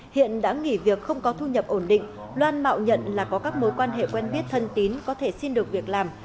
hiện đã nghỉ việc không có thu nhập ổn định loan mạo nhận là có các mối quan hệ quen biết thân tín có thể xin được việc làm